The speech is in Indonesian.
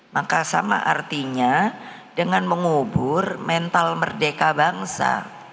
maka sama artinya dengan mengubur mental merdeka bangsa